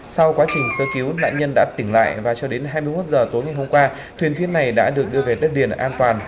sau quá trình sơ cứu nạn nhân đã tỉnh lại và cho đến hai mươi một h tối ngày hôm qua thuyền thiết này đã được đưa về đất liền an toàn